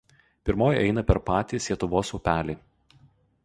Pirmoji eina per patį Sietuvos upelį.